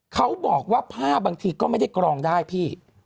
เขาบอกว่าผ้าบางทีก็ไม่ได้กรองได้พี่